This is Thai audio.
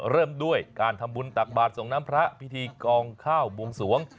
เริ่มด้วยการทำบุญตักบาทส่งน้ำพระพิธีกองข้าวบวงสวง